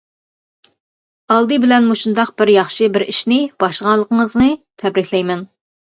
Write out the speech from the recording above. ئالدى بىلەن مۇشۇنداق بىر ياخشى بىر ئىشنى باشلىغانلىقىڭىزنى تەبرىكلەيمەن!